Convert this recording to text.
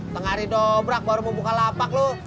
tengah hari dobrak baru mau buka lapak lu